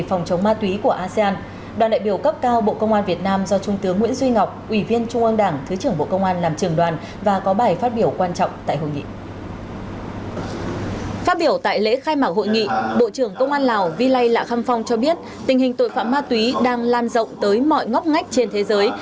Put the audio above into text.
phát biểu tại lễ khai mạc hội nghị bộ trưởng công an lào vi lây lạ kham phong cho biết tình hình tội phạm ma túy đang lan rộng tới mọi ngóc ngách trên thế giới